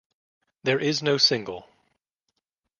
There is no single.